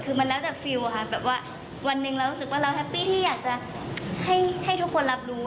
คือมันแล้วแต่ฟิลล์ค่ะแบบว่าวันหนึ่งเรารู้สึกว่าเราแฮปปี้ที่อยากจะให้ทุกคนรับรู้